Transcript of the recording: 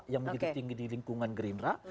yang menjadi tinggi di lingkungan gerindra